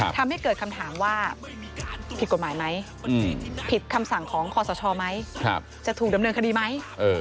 ทำให้เกิดคำถามว่าผิดกฎหมายไหมผิดคำสั่งของคอสชไหมจะถูกดำเนินคดีไหม